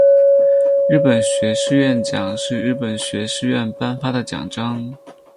日本学士院奖是日本学士院颁发的奖章。